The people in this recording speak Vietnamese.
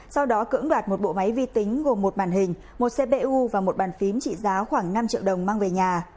sau đó cưỡng đoạt một bộ máy vi tính gồm một bàn hình một cpu và một bàn phím trị giá khoảng năm triệu đồng mang về nhà